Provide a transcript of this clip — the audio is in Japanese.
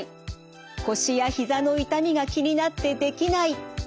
腰や膝の痛みが気になってできない。